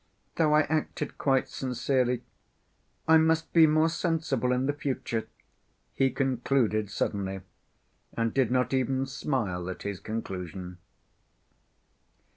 "Though I acted quite sincerely, I must be more sensible in the future," he concluded suddenly, and did not even smile at his conclusion.